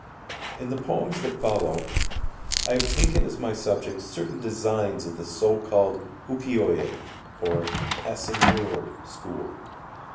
In the poems that follow I have taken as my subjects certain designs of the so called Uki oye (or Passing World) school.